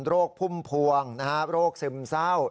พุ่มพวงโรคซึมเศร้า